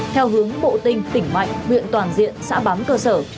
theo hướng bộ tinh tỉnh mạnh huyện toàn diện xã bám cơ sở